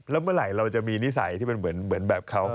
แล้วเมื่อไหร่เราจะมีนิสัยที่มันเหมือนแบบเขา